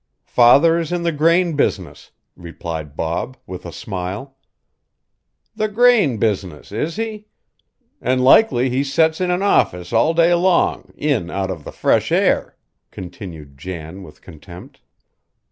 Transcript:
"Father is in the grain business," replied Bob with a smile. "The grain business, is he? An' likely he sets in an office all day long, in out of the fresh air," continued Jan with contempt.